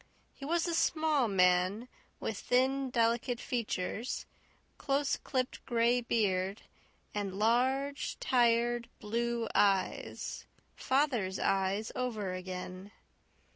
He was a small man, with thin, delicate features, close clipped gray beard, and large, tired, blue eyes father's eyes over again.